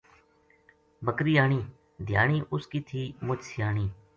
بکری آنی دھیانی اس کی تھی مُچ سیانی